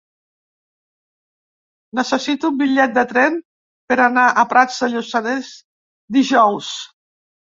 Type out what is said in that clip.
Necessito un bitllet de tren per anar a Prats de Lluçanès dijous.